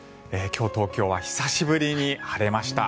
今日、東京は久しぶりに晴れました。